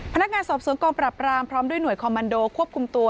พนักงานสอบสวนกองปรับรามพร้อมด้วยหน่วยคอมมันโดควบคุมตัว